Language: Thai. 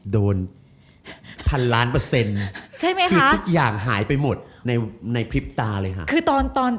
โดนพันล้านเปอร์เซ็นต์คือทุกอย่างหายไปหมดในทิศตาเลยค่ะ